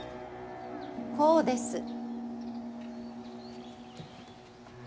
こうです。